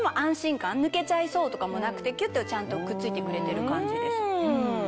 抜けちゃいそうとかもなくてキュっとちゃんとくっついてくれてる感じです。